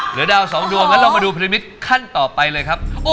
ดาวสองดวงงั้นเรามาดูพลิตขั้นต่อไปเลยครับ